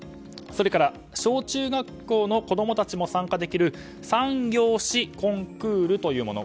それから、小中学校の子供たちも参加できる三行詩コンクールというもの。